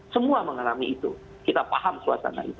semua mengalami itu kita paham suasana itu